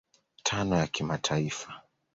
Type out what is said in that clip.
tano ya kimataifa